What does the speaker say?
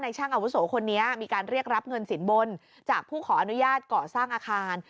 ช่างอาวุโสคนนี้มีการเรียกรับเงินสินบนจากผู้ขออนุญาตก่อสร้างอาคาร